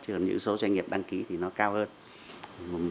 chứ còn những số doanh nghiệp đăng ký thì nó cao hơn